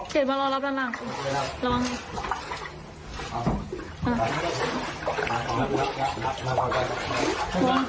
เก็บรถร็อกแล้วเป็นน่ะระวัง